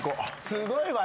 すごいわ。